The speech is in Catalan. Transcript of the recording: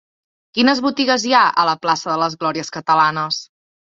Quines botigues hi ha a la plaça de les Glòries Catalanes?